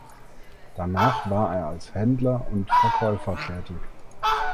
Danach war er als Händler und Verkäufer tätig.